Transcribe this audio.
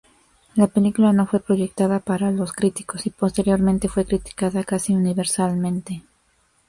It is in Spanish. La película no fue proyectada para los críticos y posteriormente fue criticada casi universalmente.